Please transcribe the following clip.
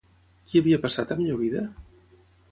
Qui havia passat a millor vida?